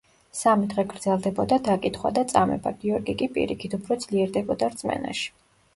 სამი დღე გრძელდებოდა დაკითხვა და წამება, გიორგი კი პირიქით უფრო ძლიერდებოდა რწმენაში.